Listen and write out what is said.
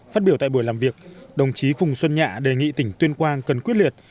phát biểu tại buổi làm việc đồng chí phùng xuân nhạ đề nghị tỉnh tuyên quang cần quyết liệt